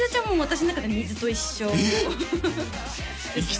もう私の中で水と一緒ええ！？